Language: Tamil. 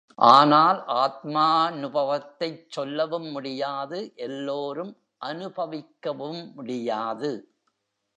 ஆனால் ஆத்மாநுபவத்தைச் சொல்லவும் முடியாது எல்லோரும் அநுபவிக்கவும் முடியாது.